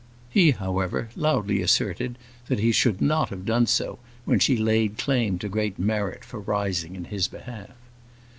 He, however, loudly asserted that he should not have done so, when she laid claim to great merit for rising in his behalf.